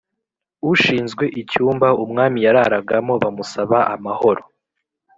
Ushinzwe icyumba umwami yararagamo bamusaba amahoro